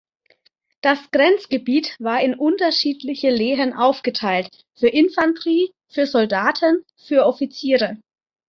Das Grenzgebiet war in unterschiedliche Lehen aufgeteilt, für Infanterie, für Soldaten, für Offiziere.